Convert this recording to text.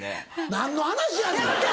何の話やねん！